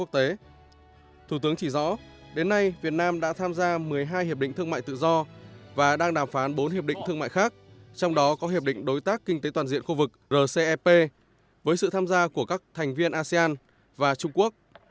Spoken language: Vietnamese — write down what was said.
thủ tướng chỉ rõ đến nay việt nam đã tham gia một mươi hai hiệp định thương mại tự do và đang đàm phán bốn hiệp định thương mại khác trong đó có hiệp định đối tác kinh tế toàn diện khu vực rcep với sự tham gia của các thành viên asean và trung quốc